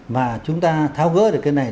và chúng ta tháo gỡ được cái này